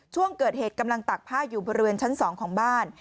ช่วงเกิดเหตุกำลังตักผ้าอยู่บริเวณชั้น๒ของบ้าน